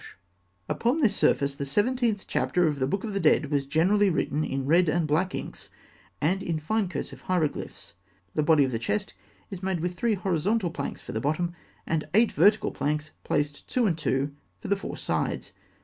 ] Upon this surface, the seventeenth chapter of _The Book of the Dead _was generally written in red and black inks, and in fine cursive hieroglyphs. The body of the chest is made with three horizontal planks for the bottom, and eight vertical planks, placed two and two, for the four sides.